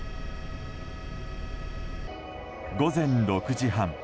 午前６時半。